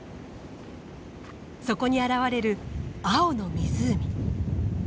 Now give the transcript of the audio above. そこに現れる青の湖。